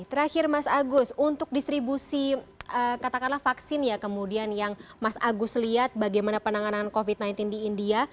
terakhir mas agus untuk distribusi katakanlah vaksin ya kemudian yang mas agus lihat bagaimana penanganan covid sembilan belas di india